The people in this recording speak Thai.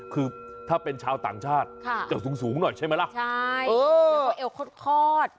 คือถ้าเป็นชาวต่างชาติเกือบสูงหน่อยใช่ไหมล่ะใช่แล้วก็เอวคลอด